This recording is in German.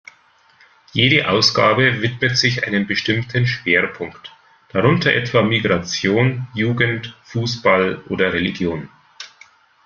Jede Ausgabe widmet sich einem bestimmten Schwerpunkt, darunter etwa Migration, Jugend, Fußball oder Religion.